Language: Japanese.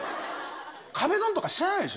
壁ドンとか知らないでしょ？